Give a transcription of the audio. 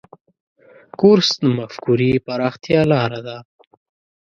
کورس د مفکورې پراختیا لاره ده.